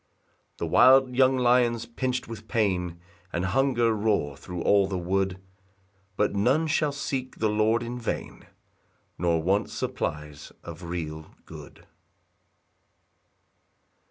6 The wild young lions, pinch'd with pain And hunger, roar thro' all the wood; But none shall seek the Lord in vain, Nor want supplies of real good.